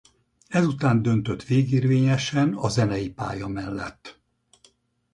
Ezután döntött végérvényesen a zenei pálya mellett.